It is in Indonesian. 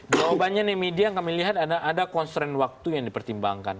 jawabannya nih media kami lihat ada constraint waktu yang dipertimbangkan